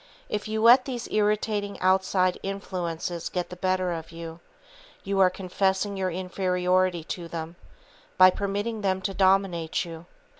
If you let these irritating outside influences get the better of you, you are confessing your inferiority to them, by permitting them to dominate you.